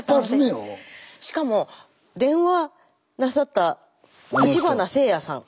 しかも電話なさったたちばなせいやさん。